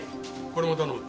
これも頼む。